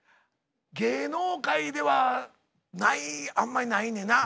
芸能界ではないあんまりないねな。